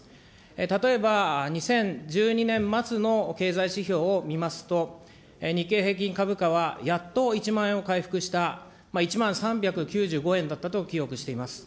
例えば、２０１２年末の経済指標を見ますと、日経平均株価はやっと１万円を回復した、１万３９５円だったと記憶しています。